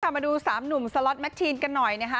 ถ้ามาดูสามหนุ่มสล็อตแม็กทีนกันหน่อยนะฮะ